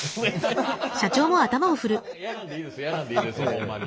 やらんでいいですよやらんでいいですよホンマに。